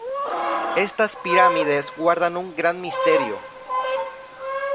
Estas pirámides guardan un gran misterio.